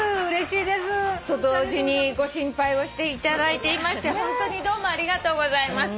と同時にご心配をしていただいていましてホントにどうもありがとうございます。